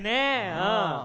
うん。